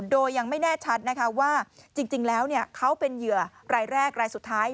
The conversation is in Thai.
โดยยังไม่แน่ชัดนะคะว่าจริงแล้วเขาเป็นเหยื่อรายแรกรายสุดท้าย